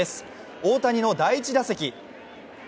大谷の第１打席。